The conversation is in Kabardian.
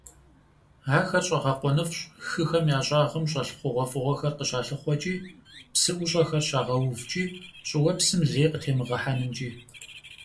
Ахэр щIэгъэкъуэныфIщ хыхэм я щIагъым щIэлъ хъугъуэфIыгъуэхэр къыщалъыхъуэкIи, псы IущIэхэр щагъэувкIи, щIыуэпсым лей къытемыгъэхьэнымкIи.